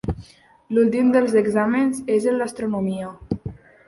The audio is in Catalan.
L'últim dels exàmens és el d'Astronomia.